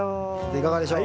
いかがでしょう？